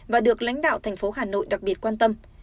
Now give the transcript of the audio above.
và được lãnh đạo thành phố hà nội đặc biệt quan tâm